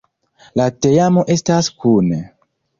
La teamo estas kune.